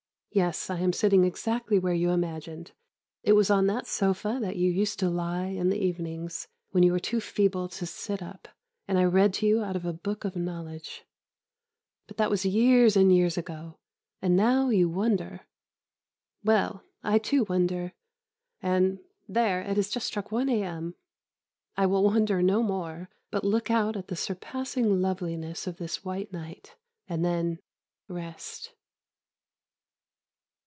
Yes, I am sitting exactly where you imagined. It was on that sofa that you used to lie in the evenings, when you were too feeble to sit up, and I read to you out of a book of knowledge. But that was years and years ago, and now you wonder. Well, I too wonder, and there, it has just struck 1 A.M. I will wonder no more, but look out at the surpassing loveliness of this white night, and then rest.